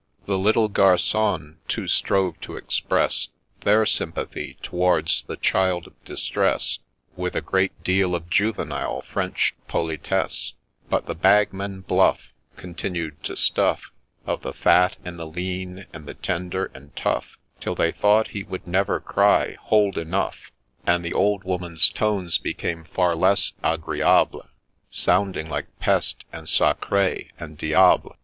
The little garfons too strove to express Their sympathy towards the ' Child of distress ' With a great deal of juvenile French pditesse : But the Bagman bluff Continued to ' stuff ' Of the fat, and the lean, and the tender and tough, Till they thought he would never cry ' Hold, enough i ' And the old woman's tones became far less agreeable, Sounding like peste I and sacre I and didble